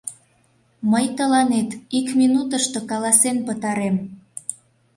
Мый тыланет ик минутышто каласен пытарем...